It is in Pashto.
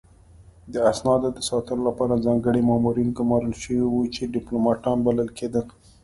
د اسنادو د ساتلو لپاره ځانګړي مامورین ګمارل شوي وو چې ډیپلوماتان بلل کېدل